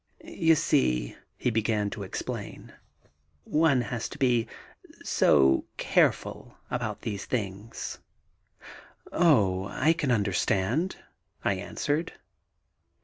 "You see," he began to explain, "one has to be so careful about these things." "Oh, I can quite understand," I answered.